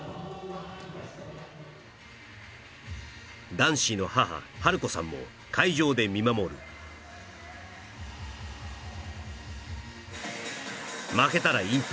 ダンシーの母・治子さんも会場で見守る負けたら引退